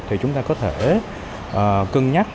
thì chúng ta có thể cân nhắc